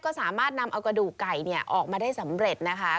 ก็สามารถนำเอากระดูกไก่ออกมาได้สำเร็จนะคะ